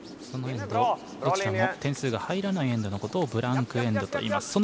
どちらも点数が入らないエンドのことをブランク・エンドといいます。